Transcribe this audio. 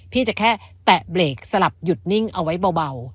พี่จะแค่แตะเบรกสลับหยุดนิ่งเอาไว้เบา